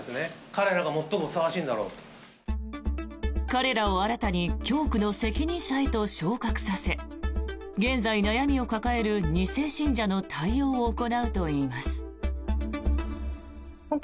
彼らを新たに教区の責任者へと昇格させ現在、悩みを抱える２世信者の対応を行うといいます。